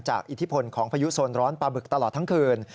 อิทธิพลของพายุโซนร้อนปลาบึกตลอดทั้งคืน